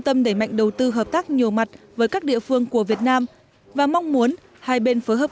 tâm đẩy mạnh đầu tư hợp tác nhiều mặt với các địa phương của việt nam và mong muốn hai bên phối hợp